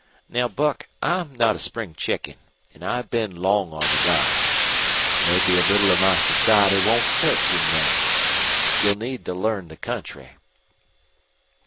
Now, Buck, I'm not a spring chicken, an' I've been long on the dodge. Mebbe a little of my society won't hurt you none. You'll need to learn the country."